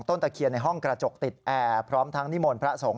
ตะเคียนในห้องกระจกติดแอร์พร้อมทั้งนิมนต์พระสงฆ